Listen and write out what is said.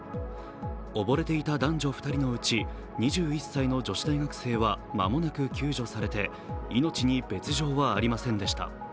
溺れていた男女２人のうち、２１歳の女子大学生は、間もなく救助されて命に別状はありませんでした。